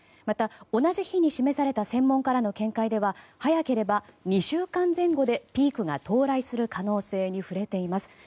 また同じ日に示された専門家らの見解では早ければ２週間前後でピークが到来する可能性に触れています。